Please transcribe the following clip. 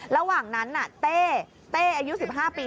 ระหว่างนั้นเต้เต้อายุ๑๕ปี